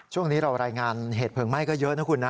ช่วงนี้เรารายงานเหตุเพลิงไหม้ก็เยอะนะคุณนะ